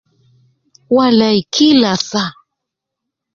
Walai kila saa